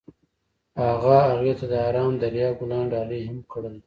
هغه هغې ته د آرام دریا ګلان ډالۍ هم کړل.